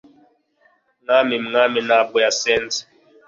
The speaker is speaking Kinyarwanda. Mwami Mwami ntabwo yasenze